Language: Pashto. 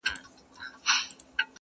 بیا یې پورته کړو نقاب له سپين رخساره,